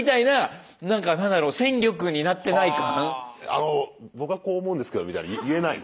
「あの僕はこう思うんですけど」みたいの言えないの？